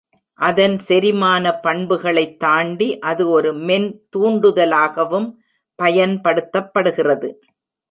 அதன் செரிமான பண்புகளை தாண்டி, அது ஒரு மென் தூண்டுதலாகவும் பயன் படுத்தப்படுகிறது